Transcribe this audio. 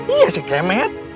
iya sih kemet